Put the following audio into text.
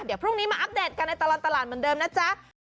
เดี๋ยวพรุ่งนี้มาอัปเดตกันในตลอดตลาดเหมือนเดิมนะจ๊ะ